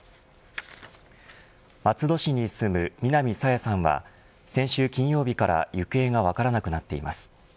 松戸市に住む南朝芽さんは先週金曜日から行方が分からなくなっています。